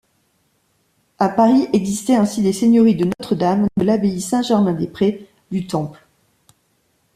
À Paris existaient ainsi les seigneuries de Notre-Dame, de l’abbaye Saint-Germain-des-Prés, du Temple...